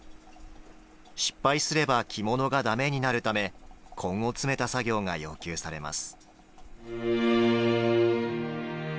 失敗すれば着物がだめになるため根を詰めた作業が要求されます。